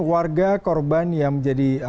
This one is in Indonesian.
warga korban yang jadi